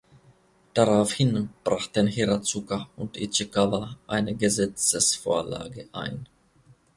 Daraufhin brachten Hiratsuka und Ichikawa eine Gesetzesvorlage ein.